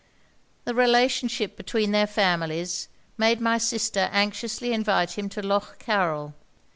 'The relationship between their families, made my sister anxiously invite him to Lough Carryl.